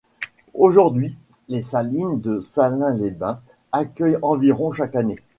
Aujourd'hui, les salines de Salins-les-Bains accueillent environ chaque année.